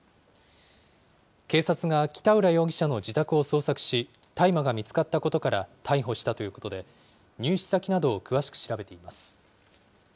警察が北浦容疑者の自宅を捜索し、大麻が見つかったことから逮捕したということで、入手先などを詳しく調べています。